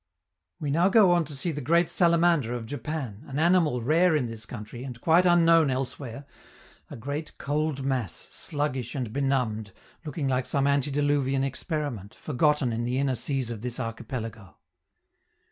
We now go on to see the great salamander of Japan, an animal rare in this country, and quite unknown elsewhere, a great, cold mass, sluggish and benumbed, looking like some antediluvian experiment, forgotten in the inner seas of this archipelago.